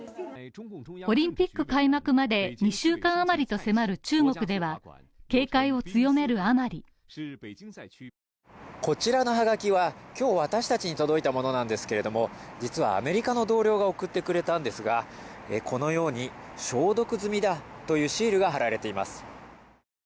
オリンピック開幕まで２週間余りと迫る中国では警戒を強めるあまりこちらのはがきは、今日私達に届いたものなんですけれども、実はアメリカの同僚が送ってくれたんですが、このように、消毒済みだというシールが貼られています。